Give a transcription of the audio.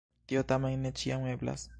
Tio tamen ne ĉiam eblas.